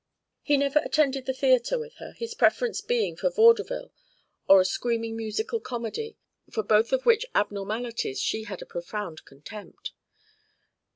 He never attended the theatre with her, his preference being for vaudeville or a screaming musical comedy, for both of which abnormalities she had a profound contempt.